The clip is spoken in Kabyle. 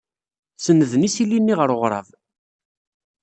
Sennden isili-nni ɣer weɣrab.